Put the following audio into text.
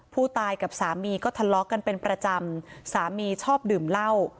ผู้ตายกับสามีก็ทะเลาะกันเป็นประจำสามีชอบดื่มเหล้า